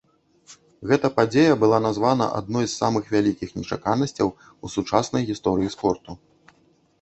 Гэта падзея была названа адной з самых вялікіх нечаканасцяў у сучаснай гісторыі спорту.